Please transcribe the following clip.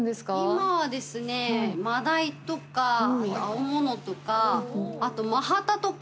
今はですね、真鯛とか青物とか、あとマハタとか。